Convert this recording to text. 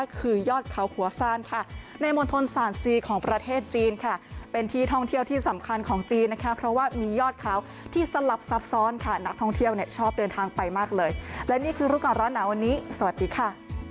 ของจีนนะคะเพราะว่ามียอดเขาที่สลับซับซ้อนค่ะนักท่องเที่ยวเนี่ยชอบเดินทางไปมากเลยและนี่คือลูกการร้อนหนาวันนี้สวัสดีค่ะ